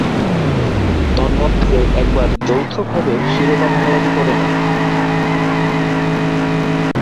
তন্মধ্যে একবার যৌথভাবে শিরোপা ভাগাভাগি করে নেয়।